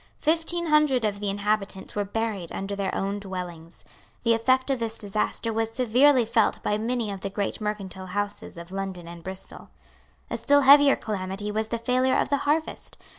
Fifteen hundred of the inhabitants were buried under their own dwellings. The effect of this disaster was severely felt by many of the great mercantile houses of London and Bristol. A still heavier calamity was the failure of the harvest.